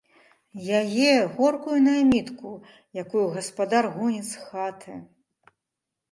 Яе, горкую наймітку, якую гаспадар гоніць з хаты!